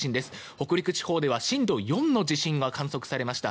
北陸地方では震度４の地震が観測されました。